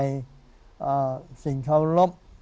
อ้าสินเคารพ